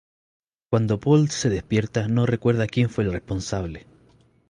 Cuando Paul se despierta no recuerda quien fue el responsable.